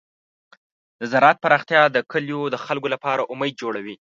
د زراعت پراختیا د کلیو د خلکو لپاره امید جوړوي.